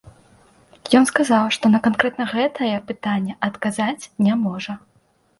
Ён сказаў, што на канкрэтна гэтае пытанне адказаць не можа.